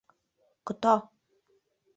— Кто!